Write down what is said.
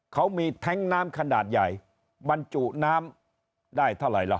เขามีแท้งน้ำขนาดใหญ่บรรจุน้ำได้เท่าไหร่ล่ะ